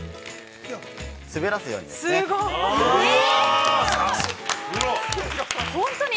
滑らすように。